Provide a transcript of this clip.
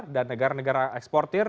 dan negara negara eksportir